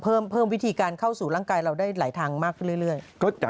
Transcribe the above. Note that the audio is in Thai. เพิ่มวิธีการเข้าสู่ร่างกายเราได้หลายทางมากขึ้นเรื่อย